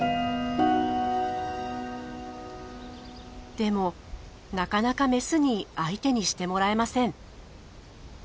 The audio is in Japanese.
でもなかなかメスに相手にしてもらえません。